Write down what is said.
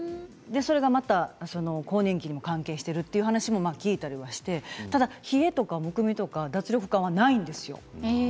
それがやっぱり更年期にも関連しているという話も聞いたりはして冷えとかむくみとか脱力感はないんですよ。